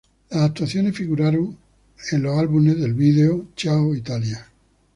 Las actuaciones figuraron en los álbumes de vídeo "Ciao, Italia!